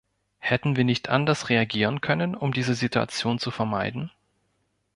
Hätten wir nicht anders reagieren können, um diese Situation zu vermeiden?